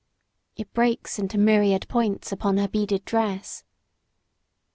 It breaks into myriad points upon her beaded dress.